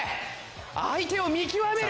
相手を見極める。